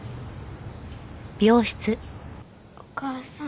お母さん。